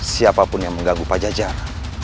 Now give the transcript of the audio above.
siapapun yang mengganggu pak jajah